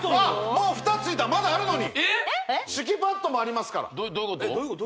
もう２つついたまだあるのに敷パッドもありますからどういうこと？